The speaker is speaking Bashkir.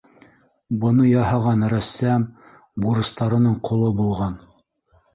- Быны яһаған рәссам бурыстарының ҡоло булған.